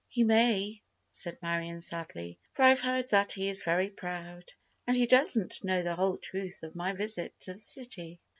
"He may," said Marion, sadly, "for I've heard that he is very proud. And he doesn't know the whole truth of my visit to the city."